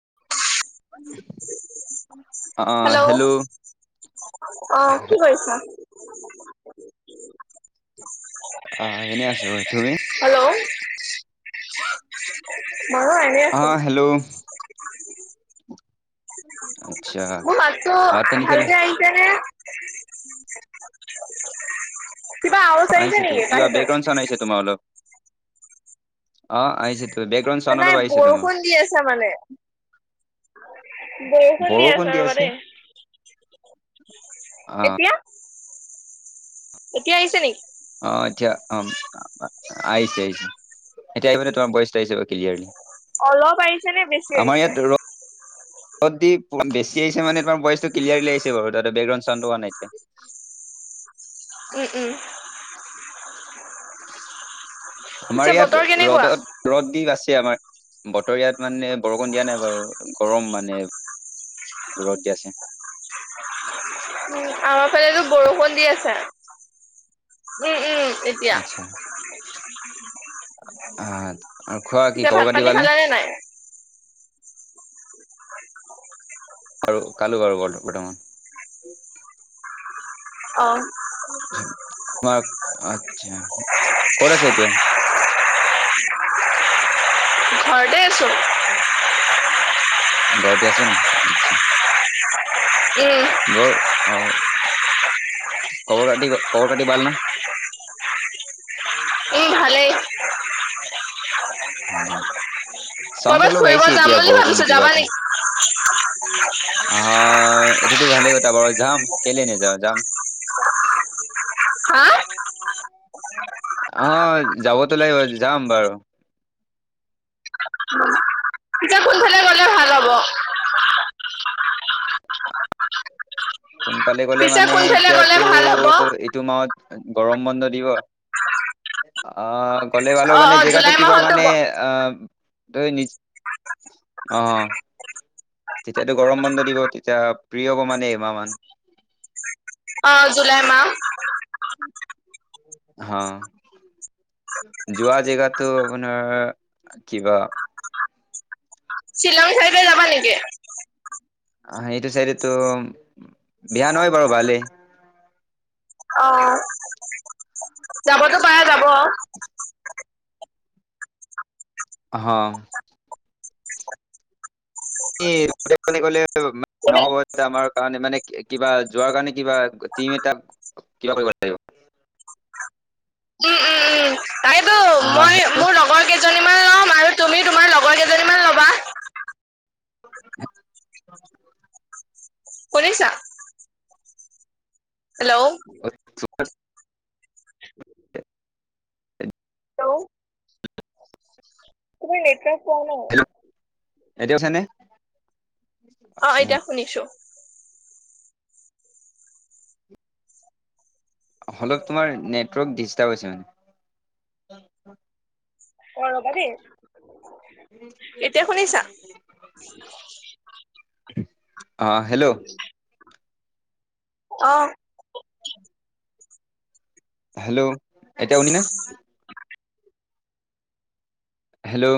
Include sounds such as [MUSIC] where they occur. [UNINTELLIGIBLE] Hello অ কি কৰিছ? [UNINTELLIGIBLE] হেল্ল' [UNINTELLIGIBLE] মইও এনে আছো। মোৰ মাতটো ভালকে আহিছে নে? [UNINTELLIGIBLE] কিবা আও চ আহিছে নেকি বাহিৰৰ নাই বৰষুণ দি আছা মানে বৰষুণ দি আছ ৰবা দেই এতিয়া। এতিয়া আহিছে নেকি এতিয়া অঁ আহিছে আহিছে এতিয়া আহিবানে তোমাৰ ভইচটা আহিছে ক্লিয়াৰলি অলপ আহিছে নে বেছি আহিছে? বেছি আহিছে মানে তোৰ ভইচটো ক্লিয়াৰলি আহিছে বাৰু ততে বেকগ্ৰাউণ্ড চাউড হোৱা নাইয়া। উম উম আমাৰ ইয়াত ৰদত ৰদ দ আছে আমাৰ বতৰ ইয়াত মানে বৰষুণ দিয়া নাই বাৰু গৰম মানে দৰত দাছে আমাৰ ফালেেতো বৰষুণ দি আছে উম উম আচ্ছা হ তিকে ভাত পানী খালে নে নাই? আৰু খালো বাৰু ব বৰ্তমান অঁ ম আচ্ছা কত আছে এতিয়া ঘৰতে আছো ন আচা উম গ অঁ এই ভালেই হয় [INAUDIBLE] কৰ'বাত ফুৰিব যাম বুলি ভাবিছো যাবা নেকি যাম কেলে ন যাব যাম উ উ অঁ যাবতো লাগিব যাম বাৰু। সোনকালে গলে মানে এতিয়াতো এইটো মাহত গৰম বন্ধ দিব আহ। ক'লে বালে মানে জেগাতটো কিবা মানে অ দই নি আহ তেতিয়াতো গৰম বন্ধ দিব তেতিয়া প্ৰিয় হ'ব মানে এমাহ মমান অ জুলাই মা হ যোৱা জেগাতটো আপোনাৰ কিবা শ্বিলং চাইডে যাবা নেকি? আহ সেইটো চাইডতো বিয়া নহয় বাৰু ভালেই অঁ। হম। লে নহব আমাৰ কাৰণে মানে কিবা যোৱাৰ কাৰণে কিবা টিম এ কিবা কৰিব লাগিব আহ হেল্ল, [UNINTELLIGIBLE] [UNINTELLIGIBLE] সেইটোক [UNINTELLIGIBLE] এতিয়া শুনিছানে‌? অ' এতিয়া শুনিছোঁ। অলপ তোমাৰ নেটৱৰ্ক, ডিষ্টাৰ্ব হৈছে, মানে। অ' ৰ'বা দেই। এতিয়া শুনিছা? অ'হ হেল্ল'? অ'হ! হেল্ল'? এতিয়া শুনিলি নে? হেল্ল'?